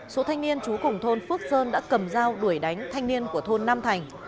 số thanh niên trú cùng thôn phước sơn đã cầm dao đuổi đánh thanh niên của thôn nam thành